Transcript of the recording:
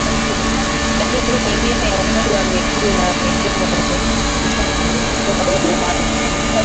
Dalili nyingine ya ugonjwa wa miguu na midomo ni uchafu kutoka puani